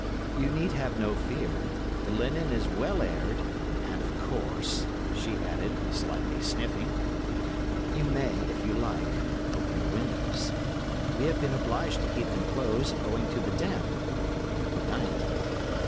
'You need have no fear—the linen is well aired, and of course,' she added, slightly sniffing, 'you may, if you like, open the windows. We have been obliged to keep them closed, owing to the damp. Good night!